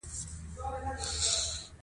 تاریخ د ځانګړو پېښو يادښت دی.